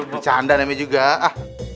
bercanda namanya juga